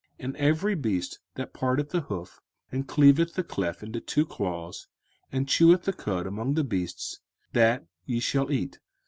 05:014:006 And every beast that parteth the hoof, and cleaveth the cleft into two claws, and cheweth the cud among the beasts, that ye shall eat.